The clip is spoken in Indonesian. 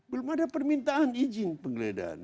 belum ada permintaan izin penggeledahan